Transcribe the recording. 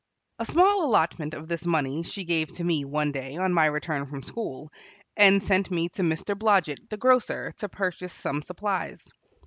A small allotment of this money she gave to me one day on my return from school, and sent me to Mr. Blodget, the grocer, to purchase some supplies.